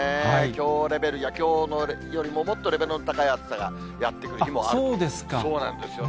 きょうレベルや、きょうよりももっとレベルの高い暑さがやって来そうですか。